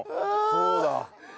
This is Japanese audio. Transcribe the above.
そうだ。